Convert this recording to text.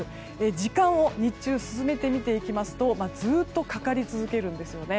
時間を日中進めて見ていきますとずっとかかり続けるんですね。